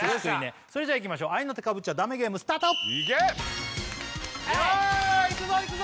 それじゃいきましょう合いの手かぶっちゃダメゲームスタートイエーいくぞいくぞ